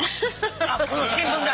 あっこの新聞代？